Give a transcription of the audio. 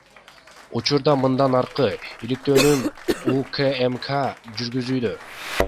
Учурда мындан аркы иликтөөнү УКМК жүргүзүүдө.